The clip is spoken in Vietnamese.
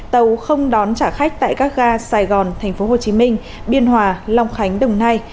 tàu không đón trả khách tại các ga sài gòn tp hcm biên hòa long khánh đồng nai